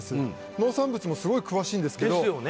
農産物もスゴい詳しいんですけどですよね